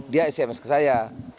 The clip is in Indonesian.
dia sms ke saya